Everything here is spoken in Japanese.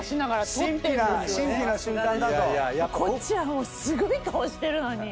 こっちはすごい顔してるのに。